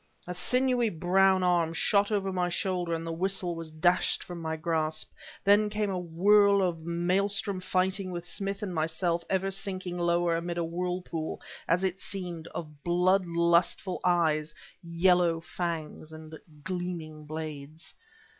A sinewy brown arm shot over my shoulder and the whistle was dashed from my grasp. Then came a whirl of maelstrom fighting with Smith and myself ever sinking lower amid a whirlpool, as it seemed, of blood lustful eyes, yellow fangs, and gleaming blades.